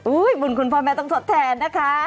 บุญคุณพ่อแม่ต้องทดแทนนะคะ